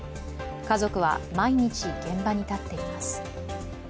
家族は毎日、現場に立っています。